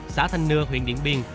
xã thanh nưa huyện điện biên